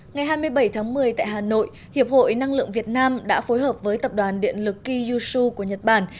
ngày hai mươi bảy tháng một mươi tại hà nội hiệp hội năng lượng việt nam đã phối hợp với tập đoàn điện lực kiyushiu của nhật bản